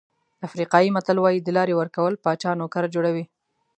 افریقایي متل وایي د لارې ورکول پاچا نوکر جوړوي.